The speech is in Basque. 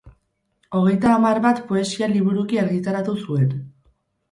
Hogeita hamar bat poesia-liburuki argitaratu zuen.